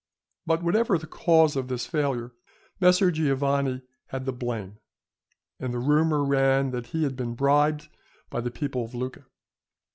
But whatever the cause of this failure, Messer Giovanni had the blame; and the rumour ran that he had been bribed by the people of Lucca.